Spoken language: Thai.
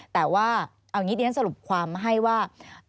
แต่ว่าเอางี้เดี๋ยวจะสรุปความให้ว่า